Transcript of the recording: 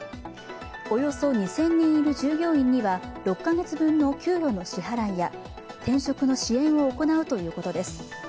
およそ２０００人いる従業員には６カ月分の給与の支払いや転職の支援を行うということです。